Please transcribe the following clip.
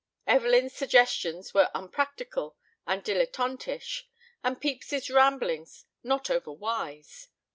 Evelyn's suggestions were unpractical and dilettantish, and Pepys's ramblings not over wise.